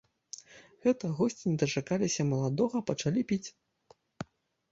Гэта госці не дачакаліся маладога, пачалі піць.